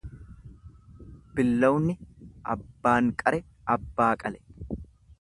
Billawni abbaan qare abbaa qale.